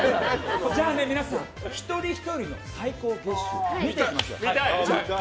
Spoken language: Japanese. じゃあ皆さん、一人ひとりの最高月収見てみましょう。